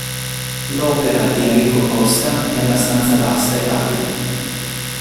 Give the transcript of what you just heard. L'opera di Enrico Costa è abbastanza vasta e varia.